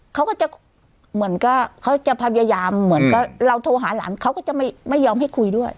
เขาก็จะพยายามเราโทรหาหลังเขาก็จะไม่ยอมให้คุยด้วย